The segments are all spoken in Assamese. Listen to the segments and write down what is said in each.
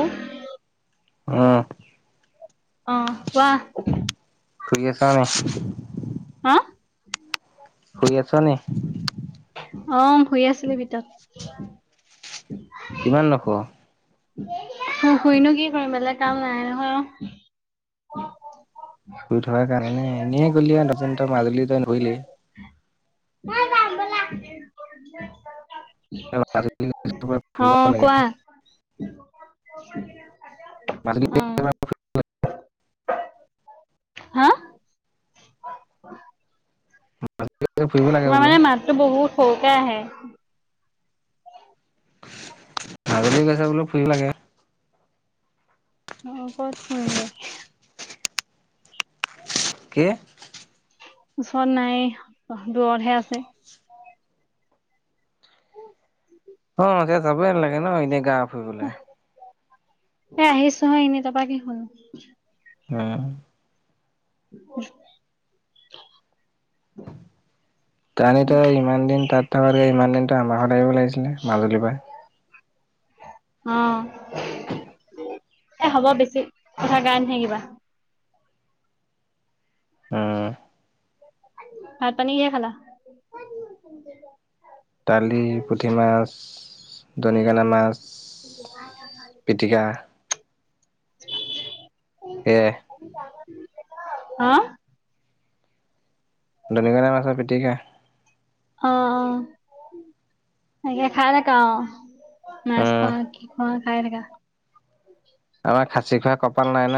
অহ অহ অহ কোৱা শুই আছো অহ হা শুই আছ নে অ শুই আছিলে ভিতৰত কিমান লখৰ শুইনো কি কৰিম বেলেগ কাম নাই নহয় শুই থোৱাৰ কাৰণে নে এনেই গ'ল নতন ত মাজুলী ত নৰিলেই [unintelligible] নাই যাম বলা তই মাজুলী অ কোৱা মাজত অ হা [inaudible] ফুৰিব লাগে তোমাৰ বোলো। মানে মাততো বহুত সৰু কে আহে আাগলী গৈছে বোলে ফুৰি লাগে [unintelligible] অ বত ঘমগে [unintelligible] কি ওচৰত নাই দূৰতহে আছে অ এতিয়া যাবই ন লাগে ন এনেই গাঁও ফুইবলৈ [unintelligible] আহ আহিছো হয় নি তাপা কি হল [unintelligible] উম উ তানিতো ইমান দিন তাত থাকোতে ইমান দিনো আমাৰ ঘৰত আহিব লাগিছিলে মাজুলীৰ পৰা [unintelligible] অ এ হ'ব বেছি কথা কাৰণহে কিবা উম ভাত পানী কিহে খালা দালি পুঠি মাছ দণিকণা মাছ পিটিকা [unintelligible] সেয়া হা', দণিকণা মাছৰ পিটিকা [unintelligible] অ অ খাই থাকা আ [unintelligible] মাছ উম, খুৱোৱা নে কি খোৱা? হয় এনেকা [unintelligible] চিখাই কপাল নাই ন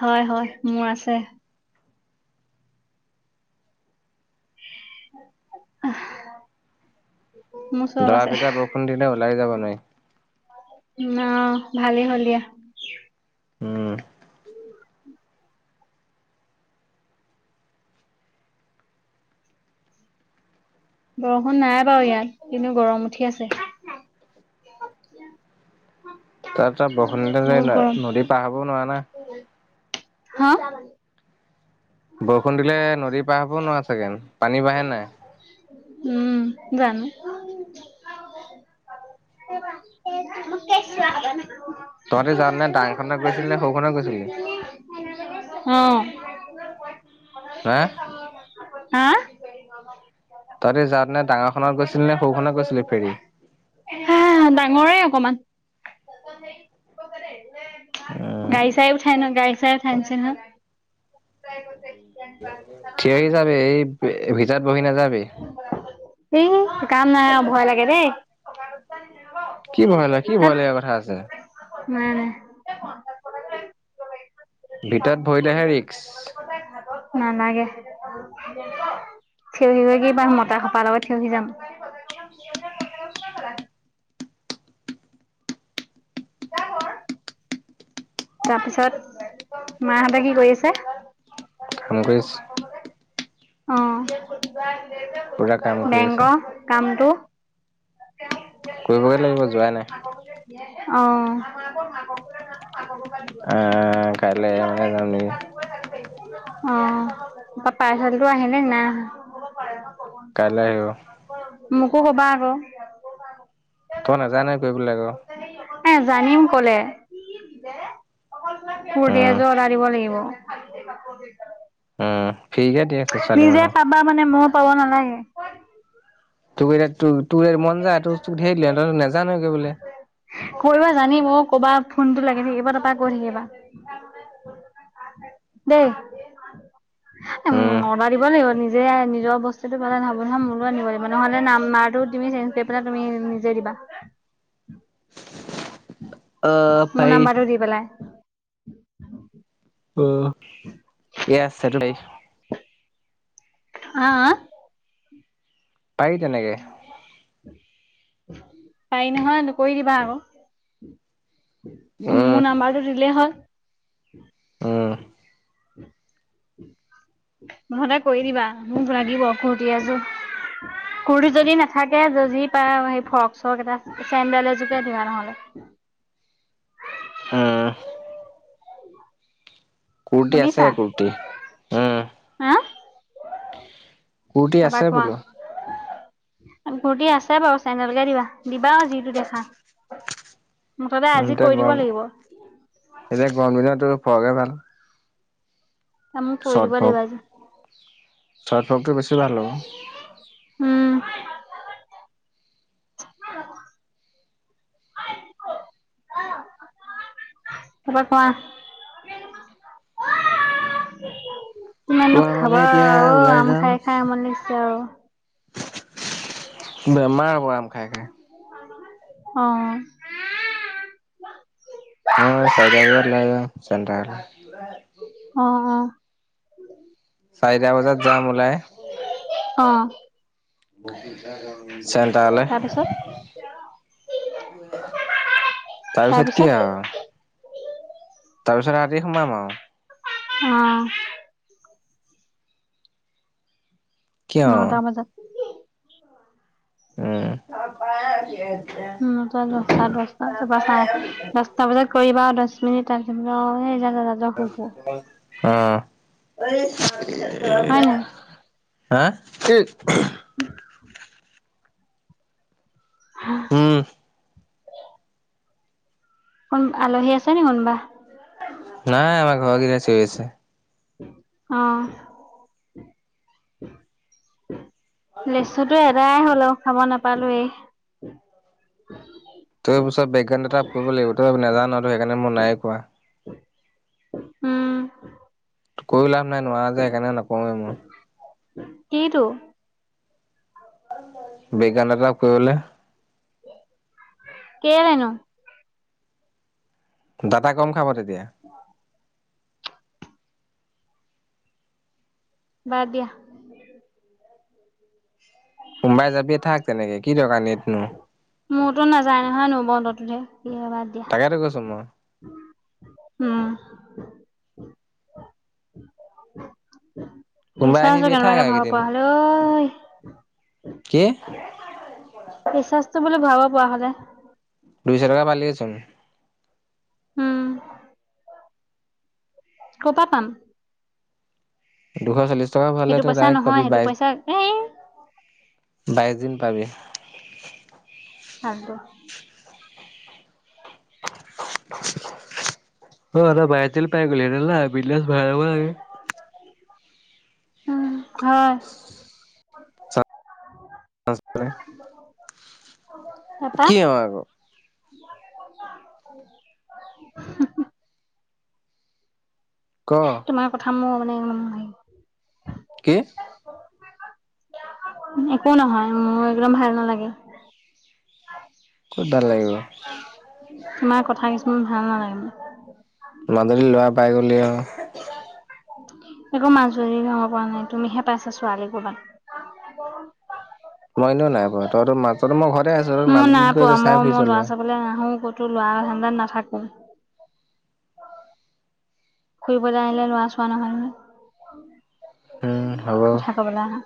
হয় -হয় মোৰ আছে। আহ', দৰা পিটা বৰষুণ দিলে ওলাই যাব ন', তে ন ভালেই হ'ল দিয়া। উম', বৰষুণ নাই বাৰু ইয়াত কিন্তু গৰম উঠি আছে। তাৰ পৰা বৰষুণ বহুত গৰম, নদী পাৰ হবও নোৱাৰা না হ বৰষুণ দিলে নদী পাৰ হব নোৱাৰা চাগেন পানী বাঢ়ে নাই। উম জানো। তহতে যান নে দাংখনত গৈছিলি নে সৌখনত গৈছিলি। অ'। হা হা গম তহঁতি যাওঁতেনে ডাঙৰখনত গৈছিলি মাৰ নে সৰুখনত গৈছিলি ফেৰী হা ডাঙৰে অকমান সেই প খ উম গাড়ী চাই উঠাই ন গাই চাৰ থছে না [inaudible] তাইতে থিয়ৰি যাবি এই ভিতৰত বহি নাযাবি। কমাৰত কি ভয় কি ভয় লগা কথা আছে। উম ভিতৰত ভৰিলেহে ৰিক্স তোমোকৰ তাই ঘাটত নালাগে থিয়হি গ কিবাৰ মতা খপাৰ লগত থিয়হি যাম য ঘৰ তাৰপিছত মাহঁতে কি কৰি আছে। কাম কৰিছে। অ' পুৰা কাম কৰি বেংক কামটো। কৰিব লাগিব যোৱাই নাই। অ মানহোৰ [unintelligible] আহ কাইলৈ মানে যাম নেকি অ ত পাৰ্চেল টো আহিলে নেকি নাই অহা। কাইলৈ আহিব। মোকো ক'বা আক তই নেযান নাই কৈবেলাকক এ জানিম কলে কূুৰ্তি উম এযোৰ অৰ্ডাৰ দিব লাগিব। খালাপ [unintelligible] উম ফ্ৰীকে দি আছে ছোৱালী নিজে মানুহক পাবা মানে ময়ো পাব নালাগে এ তোৰ কেই- তোৰ তোৰ মন যায় তোৰ তোক ধেৰ দিলে নাজানা কৰিবলে। কৰিবা জানিম অ কবা ফোনটো লাগি থাকিব তাৰপৰা কৈ থাকিবা। দেই উম অৰ্ডাৰ দিব লাগিব নিজে নিজৰ বস্তুটো পালাই নহহয় মোৰলৈ আনিব লাগিব নহ'লে নাম্বাৰটো তুমি চেঞ্জ কৰি পেলাই তুমি নিজে দিবা। অ মোৰ পাৰি নাম্বাৰটো দি পেলাই উ [unintelligible] উ উম ইয়াহ চেটাৰডে আছে। আঁহ পাৰি তেনেকে পাৰি নহয় কৰি দিবা আক উম মোৰ নাম্বাৰটো দিলেই হ'ল উম [unintelligible] মুঠতে কৰি দিবা। মোক লাগিব কুুৰ্তি এযোৰ কুৰ্তি যদি নাথাকে, যি পায় আৰু সেই ফৰক চৰক এটা চেমড এযোৰোকে দিবা নহলে। উম কুৰটি আছে শুনিছা কুুৰটি। উম। হা কোটি আছে বোলো। ঘূৰ্তি আছে বাৰু চাই না বুজাই দিবা দিবা যিটো দেখা। মুঠতে উ আজি এতিয়া কৰি দিব গৰম লাগিব এতিয়া গৰম দিনতো পগে ভাল তই মোক কৰি দিব লাগিব আজি। ছৰ্ট ভকটো বেছি ভাল হ'ব উম অই নিকো অঁ পঢ়াত বহা নাই কিয়? তাৰপৰা কোৱা ল'ৰাটোৱে ইমান চিঞৰে অ আআআ চিপসে আনি দিয়া কিমাননো খাবা কোৱা মানে অ এতিয়া আম খাই খাই আমনি লাগিছে আৰু উম ছু ছু ছু ও ও বেমাৰ আক পুৰা আম খায় খায়। আজি আমাৰ দেউতা অ অ আআআ শুৱা টেণ্ডাৰ এটা অ অ। চাৰিটা বজাত যাম ওলাই ও-লাই অ। বগীতৰা ইউনিভাৰ্চিটি ইচ্ চেণ্টাৰলে তাৰপিছত তাৰপিছত কি আৰু তাৰপিছত ৰাতি সোমাম আৰু অ কি আও নটা বজাত হি হি। উম, নাপায় দে উম নটা দশটা-দশটা তাৰপৰা চাৰে দশটা বজাত কৰিবা দশ মিনিটৰ পিছত ৱহে জাগ দাদা শুইছো নে উম। হেচ্ছ ইয়া ইয়া হয় নাই লা লা ল হা ছিট্ অহ্। হাহ উম কোন আলহী আছে নি কোনবা? নাই আমাৰ ঘৰৰ কেইটা আছ ঠিক আছে। অঁ, ঠু ঠু ঠু ঠু লেচুতটো এটাই হ'ল খাব নাপালোয়েই তোৰ অফিচত বেকগ্ৰাউণ্ড ছেটআপ কৰিব লাগিব। তই এইবোৰ নেজানো তোক সেইকাৰণে মই নাইয়ে কোৱা। উম ত কৰি লাভ নাই, নোৱাৰো যে সেইকাৰণে নকওঁৱেই মই। কিটো? বেকগ্ৰাউণ্ড ছেটআপ কৰিবলে হি হা হা, কেলে নো? ডাটা কম খাব তেতি বেয়া। বাদ দিয়া। সোমবাৰে যাবি থাক তেনেকে কি দৰকাৰ নেটনো মোৰতো নাযায় নহয় নো বন্ধতহে? সব বাদ দিয়া। তাকেতো কৈছো মই উম। [unintelligible] সোমবাৰে ৰিচাৰ্জ আহিবি থাক কেনেবাকে আৰু ভৰাব এইকেইদিন পৰা হলে অই। কি? এই ৰিচাৰ্জ টো বুলি ভবা পৰা হলে। দুইশ টকা পালিচোন? উম ক'পা পাম দুশ চল্লিশ টকা ভৰালে সেইটো তই পইচা ডাইৰেক্ট নহয় পাবি সেইটো পইচা এ বাইছ দিন পাবি ফাল্টু অ আ বাইছ দিন পাই গলি বিন্দাছ ভৰাই ল'ব লাগে উম হয় পাছফালে তাৰপা কি হয় আক [unintelligible] ক তোমাৰ কথা মোৰ ৰ মাই কি উম একো নহয় মোৰ একদম ভাল নালাগে কত ভালাগে তোমাৰ কথা কিছুমান ভাল নালাগে মো মাজুলী ল'ৰা পাই গলি আও একো মাজুলী ল'ৰা পৰা নাই তুমিহে পাইছা ছোৱালী ক'বাত মই এনেও নাই পোৱা তই ম মই ঘৰ আছো মই মাজুলীত নাই গৈ পোৱা চাই মই ফুৰিছ ল'ৰা ঘৰত নাথাকো ফুৰিবলৈ আহিলে লৰাছোৱা নহয় ন উম হ'ব কথা কবলৈ আহা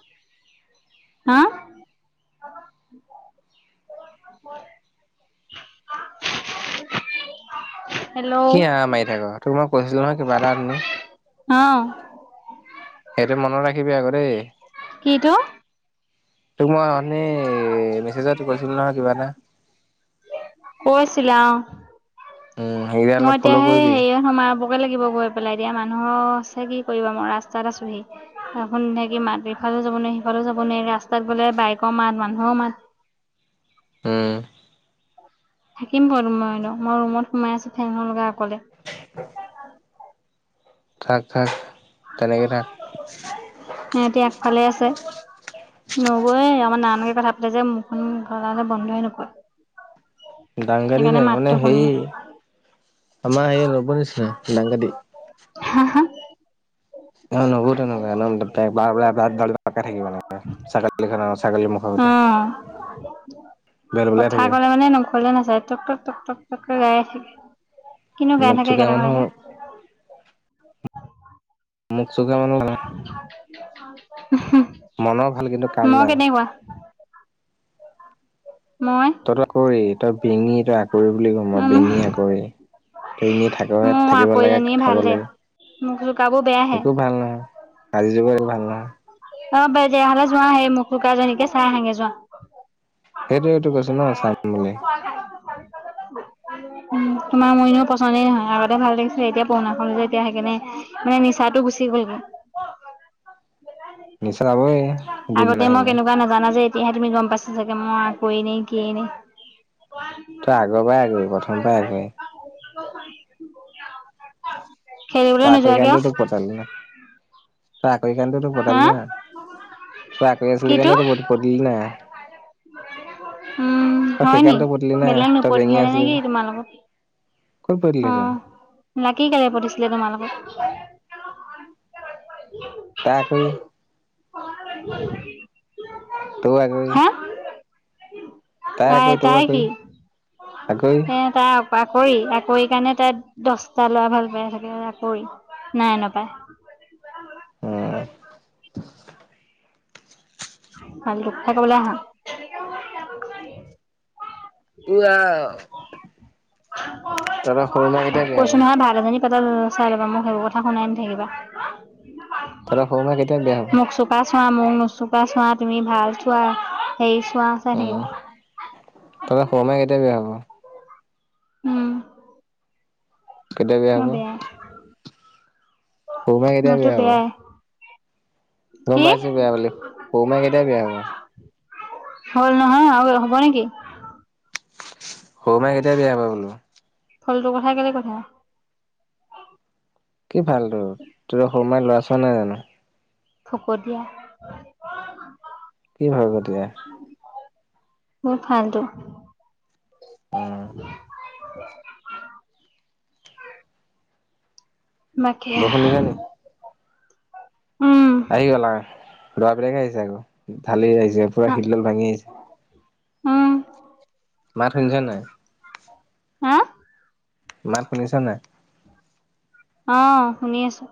হা কি হেল্ল' আহ মাৰি থাক তোক মই কৈছিলো নহয় কিবা এটা নি অ সেইটো মনত ৰাখিবি আকৌ দেই কিটো তোক মই শন্নি মেছেজত কৈছিলো নহয় কিবা এটা কৈছিলা উম সেইকেইটা অলপ মই এতিয়া ফ'ল' সেই, কৰিবি হেৰিয়াত সোমাব। ব লাগিব গৈ পেলাই দিয়া, মানুহ আছে কি কৰিবা, মই ৰাস্তাত আছোহি। কি মাত ইফালেও যাব নোৱাৰি সিফালেও যাব নোৱাৰি, ৰাস্তাত গ'লে বাইকৰ মাত, মানুহৰ মাত। হ'ম। ‌ থাকিম বাৰু মই এনেও। মই ৰুমত সোমাই আছোঁ ঠেং ন লগা ক'লে। থাক। থাক। তেনেকে থাক ওম এতিয়া আগফালে আছে। নবৌয়ে ইমান‌ তানকে কথা পাতে যে, মুখখন [unintelligible] বন্ধই নকৰে। দাংকাটি সেইকাৰণে নে, মানে মাতটো শুনি হেৰি, আমাৰ সেই ল'ব নিচিনা, দাংকাটি। হা? হা? আমাৰ‌ নবৌও তেনেকুৱা। একদম তাই ব্লা! ব্লা! ব্লা! ব্লাকে থাকিব। ছাগলীটোৰ অ', ছাগলী মুখৰ অ গতে। বেল‌ বেলাই কথা থাকে। ক'লে মানে নখলে নাচায় টক টক টক টক টক টকায়ে থাকে। কিনো গাই মুখ থাকে, চুকা একেটা মানুহ কথাকে! মুখ চুকা মানুহ [unintelligible] মনৰ ভাল কিন্তু কাম মই নাই কেনেকুৱা? মই তই ত আকৰী, তই বেঙি, তই আকৰি বুলি কও মই। বঙি আকৰি। তই এনেই থাক, মোৰ থাকিব লাগে। আকৌজনী খাব ভাল দে লাগে। [unintelligible] একো ভাল নহয়, আজিৰ যুগত ভাল নহয়। অ'হ! অ বাটিইয়া হ'লে চোৱা। সেই মুখ চোকাজনীকে চাই আহাগে যোৱা। সেইটোৱেতো কৈছো ন চাম বুলি [unintelligible] উম তোমাৰ মই এনেও পচন্দই নহয়। আগতে ভাল দেখিছিলি এতিয়া পুৰণা হলো যে, এতিয়া, সেইকাৰণে মানে, নিচাটো গুচি গ'লগৈ। নিশ্চয় যাবই গুড আগতে মই নাহিলে কেনেকুৱা নাজানা যে! এতিয়াহে তুমি গম পাইছা চাগে, মই আকৰীয়ে নে কিয়ে নে। তই আগৰ পৰাই আকৰী। প্ৰথমৰ পৰাই আকৰী। [unintelligible] তই আকৰি নোযোৱা কিয়? কাৰণে তো, তোক পতালোঁ। তই আকৰি কাৰনে তো, তোক হা? পতালোঁ না? তই আকৰি আছিলি কিটো? কাৰণে ত' তই পতিলি না। উম, তই হয় নি? সেইকাৰণে টো পতিলি না, বেলেগ তই বেঙি নপতিলে আছিলি নেকি যে। তোমাৰ লগত? ক'ত অ পতিলেহেতেন। ‌ লাকি কেলে পতিছিলে তোমাৰ লগত? তাই আকৰী। কি? তই আগৈ [unintelligible] তাই তাই কি আকৰি এ তাক আকৰি আকৰি সেইকাৰণে তাই দহটা ল'ৰা ভাল পাই থাকে আকৰি নাই নাপায়। উম। ভাল দুপ খাবলে আহা। উ আহ। সৰু মাই কেতিয়া বিয়া হ'ব কৈছো নহয় ভাল এজনী পটাই লোৱা। চাই ল'বা মোক সেইবোৰ কথা শুনাই নাথাকিবা। তহঁতৰ সৰু মাই কেতিয়া বিয়া হ'ব? মোক চোকা চোৱা মুখ নোচোকা চোৱা তুমি ভাল চোৱা হেৰি চোৱা আ চাই থাকিবা। তহতৰ সৰু মাই কেতিয়া বিয়া হ'ব? উম। কেতিয়া বিয়া হ'ব? মই বেয়াই সৰু মাই ‌ কেতিয়া মইতো বিয়া হ'ব? বেয়াই গম কি পাইছো বেয়া বুলি সৰু মাই কেতিয়াই বিয়া হ'ব? হল নহয় আৰু হ'ব নেকি? সৰু মাই কেতিয়া বিয়া হবা বোলো ফালটো কথা কেলে কৈ থাকা? কি ফাল তো ত সৰু মাই ল'ৰা চোৱা নাই জানো? ফকতিয়া। কি ভাবিব দিয়া, মোৰ ফাল্তু, উম', [unintelligible] মাকে, আহ বৰষুণ দিছে নি? উম', আহি গ'ল আৰু লৰাবিলাকে আহিছে, আকৌ ঢালি আহিছে। ইয়ে পোৰা হা শিল-ডল ভাঙি আহিছে। উম মাত শুনিছ নাই,? হা', মাত শুনিছ নাই? অ ', শুনি আছো।